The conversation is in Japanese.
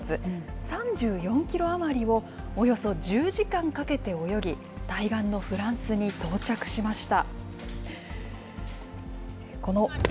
３４キロ余りをおよそ１０時間かけて泳ぎ、対岸のフランスに到着しました。